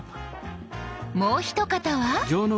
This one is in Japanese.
もう一方は。